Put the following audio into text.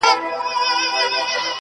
ستونزې راولاړولی شي.